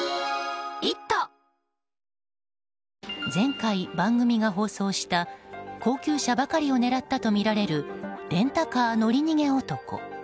前回、番組が放送した高級車ばかりを狙ったとみられるレンタカー乗り逃げ男。